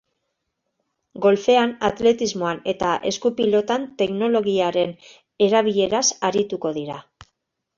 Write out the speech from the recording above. Golfean, atletismoan eta esku-pilotan teknologiaren erabileraz arituko dira.